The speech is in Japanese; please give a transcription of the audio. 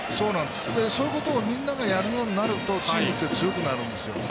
そういうことをみんながやるようになるとチームって強くなるんですよ。